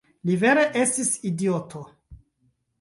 Li vere estis idioto!